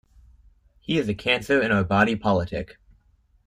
He is a cancer in our body politic.